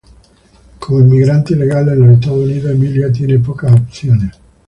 Como inmigrante ilegal en los Estados Unidos, Emilia tiene pocas opciones.